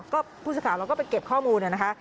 ก็ผู้สาขาเราก็ไปเก็บข้อมูลเลยนะคะ